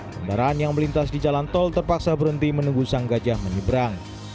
kendaraan yang melintas di jalan tol terpaksa berhenti menunggu sang gajah menyeberang